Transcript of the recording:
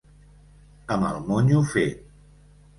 Amb el monyo fet.